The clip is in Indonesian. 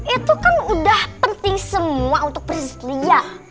itu kan udah penting semua untuk prinses liya